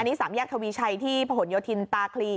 อันนี้สามแยกทวีชัยที่ผนโยธินตาคลี